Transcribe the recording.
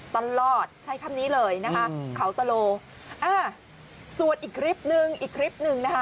ตลอดใช้คำนี้เลยนะคะเขาตะโลอ่าส่วนอีกคลิปนึงอีกคลิปหนึ่งนะคะ